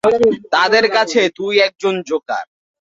তাদের কাছে তুই একজন জোকার।